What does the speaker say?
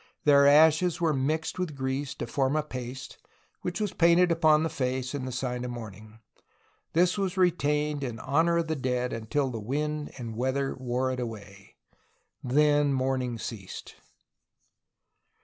Their ashes were mixed with grease to form a paste, which was painted upon the face in sign of mourning. This was retained in honor of the dead until the wind and weather wore it away. Then mourning ceased.